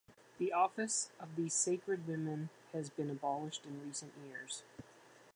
The office of these sacred women has been abolished in recent years.